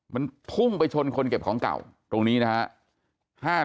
มันพุ่งไปชนคนเก็บของเก่าตรงนี้นะครับ